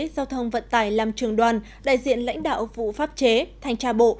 giao thông vận tải làm trường đoàn đại diện lãnh đạo vụ pháp chế thanh tra bộ